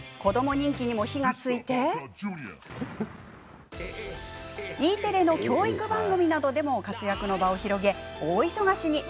人気にも火がつきＥテレの教育番組などでも活躍の場を広げ大忙しに。